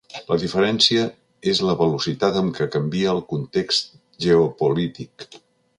La diferència és la velocitat amb què canvia el context geopolític.